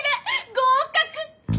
合格！